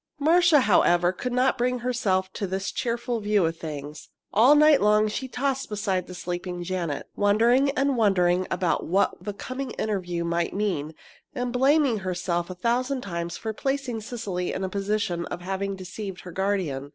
Marcia, however, could not bring herself to this cheerful view of things. All night long she tossed beside the sleeping Janet, wondering and wondering about what the coming interview might mean, and blaming herself a thousand times for placing Cecily in the position of having deceived her guardian.